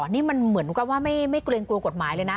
นี่มันเหมือนกับว่าไม่เกรงกลัวกฎหมายเลยนะ